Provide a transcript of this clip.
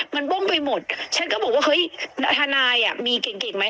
มันบ้งไปหมดฉันก็บอกว่าเฮ้ยทนายอ่ะมีเก่งเก่งไหม